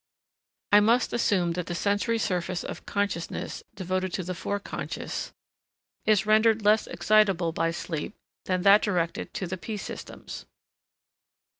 I must assume that the sensory surface of consciousness devoted to the Forec. is rendered less excitable by sleep than that directed to the P systems.